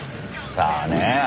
さあねえ。